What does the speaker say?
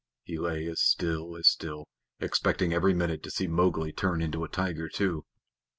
He lay as still as still, expecting every minute to see Mowgli turn into a tiger too.